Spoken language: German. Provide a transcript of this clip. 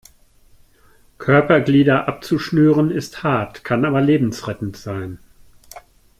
Körperglieder abzuschnüren ist hart, kann aber lebensrettend sein.